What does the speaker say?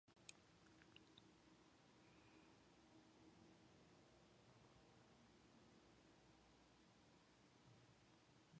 Among the early Spanish settlers was one of California's first families, the Lugos.